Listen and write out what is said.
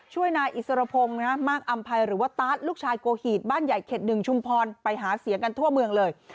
นายอิสรพงศ์มากอำภัยหรือว่าตาร์ทลูกชายโกหีดบ้านใหญ่เข็ดหนึ่งชุมพรไปหาเสียงกันทั่วเมืองเลย